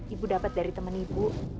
ibu dapat dari teman ibu